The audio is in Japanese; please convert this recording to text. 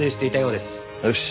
よし。